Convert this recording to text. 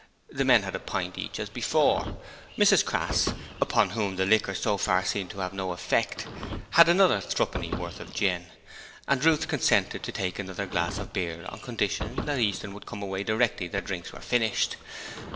The men had a pint each as before. Mrs Crass upon whom the liquor so far seemed to have no effect had another threepennyworth of gin; and Ruth consented to take another glass of beer on condition that Easton would come away directly their drinks were finished.